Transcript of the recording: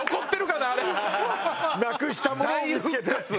なくしたものを見つけて。